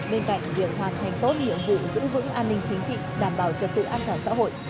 bên cạnh việc hoàn thành tốt nhiệm vụ giữ vững an ninh chính trị đảm bảo trật tự an toàn xã hội